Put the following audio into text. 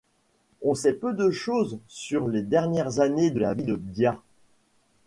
On sait peu de choses sur les dernières années de la vie de Bia.